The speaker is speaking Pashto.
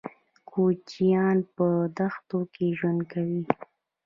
کوچيان په دښتو کې ژوند کوي.